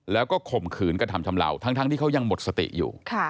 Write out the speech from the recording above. แล้วก็ข่มขืนกระทำชำเหล่าทั้งที่เขายังหมดสติอยู่